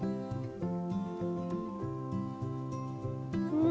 うん！